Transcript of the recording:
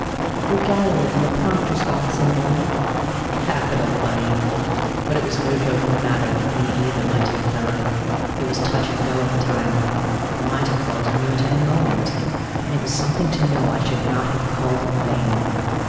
"Your gallery and your prompter's box in one?" "Capital, Bunny! But it was no joking matter with me either, my dear fellow; it was touch and go at the time. I might have called on you at any moment, and it was something to know I should not have called in vain."